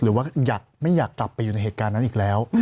หรือว่าไม่อยากกลับไปอยู่ในเหตุการณ์นั้นอีกแล้ว